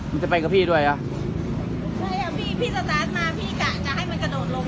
จะไปกับพี่ด้วยอ่ะใช่อ่ะพี่พี่สตาร์ทมาพี่กะจะให้มันกระโดดลง